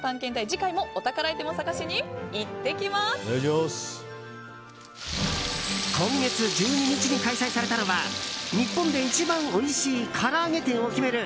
次回もお宝アイテムを探しに今月１２日に開催されたのは日本で一番おいしいから揚げ店を決める